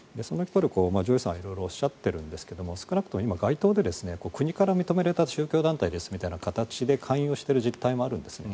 上祐さんは色々おっしゃっているんですが少なくとも街頭で国から認められた宗教団体ですみたいな形で勧誘している実態もあるんですね。